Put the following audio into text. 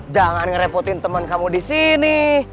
jangan ngerepotin temen kamu disini